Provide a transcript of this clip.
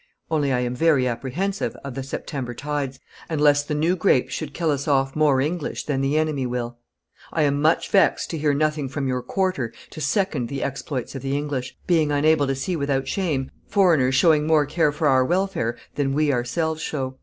Only I am very apprehensive of the September tides, and lest the new grapes should kill us off more English than the enemy will. I am much vexed to hear nothing from your quarter to second the exploits of the English, being unable to see without shame foreigners showing more care for our welfare than we ourselves show.